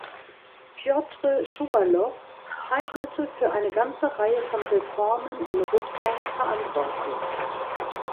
Pjotr Schuwalow zeichnete für eine ganze Reihe von Reformen in Russland verantwortlich.